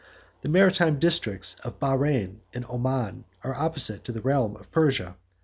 The maritime districts of Bahrein and Oman are opposite to the realm of Persia.